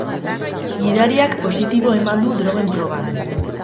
Gidariak positibo eman du drogen proban.